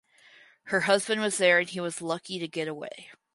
Her husband was there and he was lucky to get away.